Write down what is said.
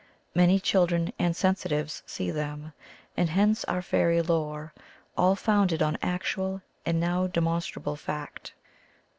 Many children and sensitives see them, and hence our fairy lore — all founded on actual and now demonstrable fact!